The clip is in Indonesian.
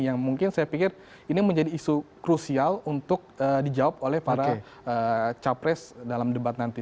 yang mungkin saya pikir ini menjadi isu krusial untuk dijawab oleh para capres dalam debat nanti